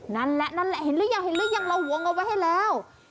นั่นแหละเห็นรึยังเราห่วงเอาไว้ให้แล้ว